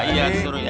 iya disuruh ya